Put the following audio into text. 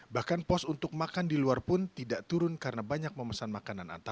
bahkan pos untuk makan di luar pun tidak turun karena banyak memesan makanan